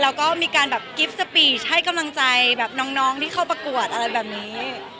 แล้วก็มีการแบบกิฟต์สปีดให้กำลังใจแบบน้องที่เข้าประกวดอะไรแบบนี้